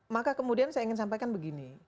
maka kemudian saya ingin sampaikan begini